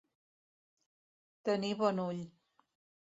Tenir bon ull.